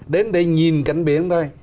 đến đây nhìn cạnh biển thôi